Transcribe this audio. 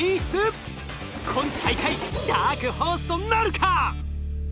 今大会ダークホースとなるか？